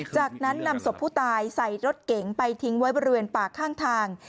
จากนั้นนำศพผู้ตายใส่รถเก๋งไปทิ้งไว้บริเวณป่าข้างทาง